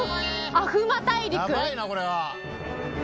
「アフマ大陸」？